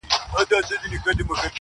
زه او شیخ یې را وتلي بس په تمه د کرم یو,